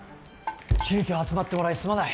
急きょ集まってもらいすまない。